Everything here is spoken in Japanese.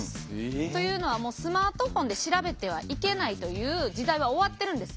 というのはもうスマートフォンで調べてはいけないという時代は終わってるんです。